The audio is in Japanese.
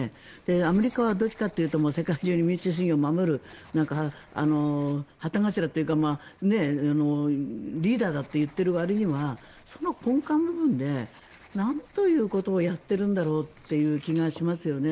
アメリカはどちらかというと世界中の民主主義を守る旗頭というかリーダーだと言ってるわりにはその根幹部分でなんということをやっているんだろうという気がしますよね。